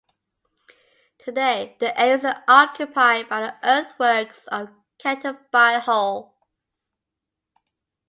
Today the area is occupied by the earthworks of Kettleby Hall.